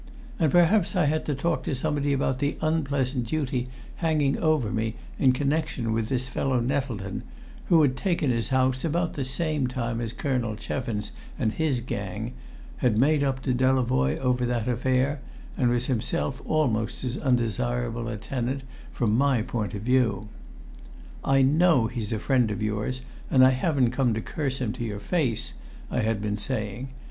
And perhaps I had to talk to somebody about the unpleasant duty hanging over me in connection with this fellow Nettleton, who had taken his house about the same time as Colonel Cheffins and his gang, had made up to Delavoye over that affair, and was himself almost as undesirable a tenant from my point of view. "I know he's a friend of yours, and I haven't come to curse him to your face," I had been saying.